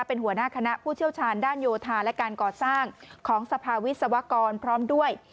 เป็นหัวหน้าคณะผู้เชี่ยวชาญด้านโยธาและการก่อสร้างของสภาวิศวกรพร้อมด้วย